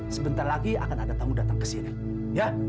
sebentar lagi akan ada tamu datang ke sini ya